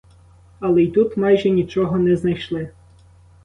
Але й тут майже нічого не знайшли.